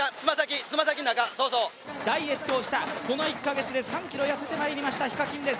ダイエットをした、この１か月で３ｋｇ痩せたＨＩＫＡＫＩＮです